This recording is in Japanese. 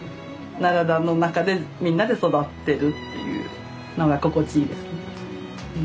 奈良田の中でみんなで育ってるというのが心地いいですね。